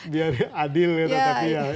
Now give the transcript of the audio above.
biar adil ya